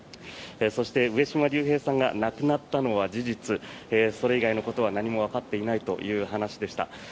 そして、上島竜兵さんが亡くなったのは事実それ以外のことは何もわかっていないという話でした。